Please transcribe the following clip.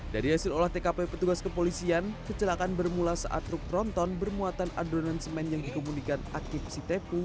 dari hasil olah tkp petugas kepolisian kecelakaan bermula saat truk tronton bermuatan adonan semen yang dikembunikan akib si tepu